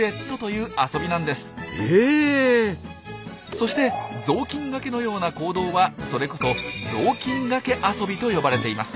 そして雑巾がけのような行動はそれこそ「雑巾がけ遊び」と呼ばれています。